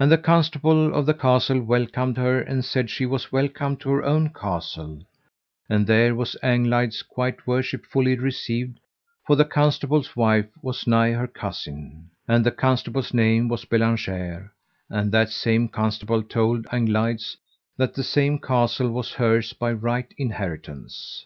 And the Constable of the castle welcomed her, and said she was welcome to her own castle; and there was Anglides worshipfully received, for the Constable's wife was nigh her cousin, and the Constable's name was Bellangere; and that same Constable told Anglides that the same castle was hers by right inheritance.